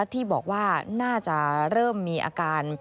ที่บอกว่าน่าจะเริ่มมีอาการ